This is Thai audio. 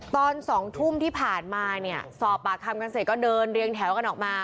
ตอน๒ทุ่มที่ผ่านมาเนี่ยสอบปากคำกันเสร็จก็เดินเรียงแถวกันออกมา